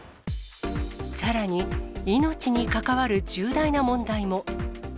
さらに、命に関わる重大な問題も。